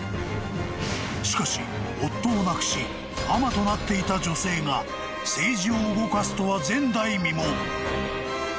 ［しかし夫を亡くし尼となっていた女性が政治を動かすとは前代未聞］